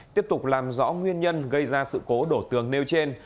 tiếp tục làm rõ nguyên nhân gây ra sự cố đổ tường nêu trên